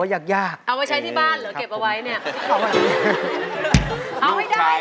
ใช้ใช้ใช้